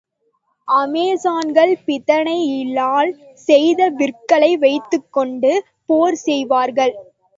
அமெசான்கள் பித்தளையினால் செய்த விற்களை வைத்துக்கொண்டு போர் செய்வார்கள்.